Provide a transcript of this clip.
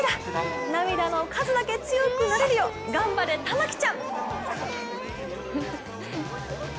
涙の数だけ強くなれるよ頑張れ、珠季ちゃん。